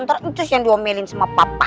ntar terus yang diomelin sama papa